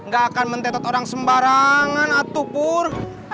gak akan mentetot orang sembarangan atuh pur